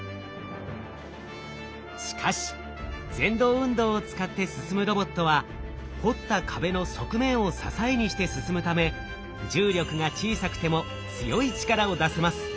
しかし蠕動運動を使って進むロボットは掘った壁の側面を支えにして進むため重力が小さくても強い力を出せます。